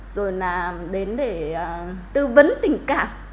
rồi là đến để tư vấn tình cảm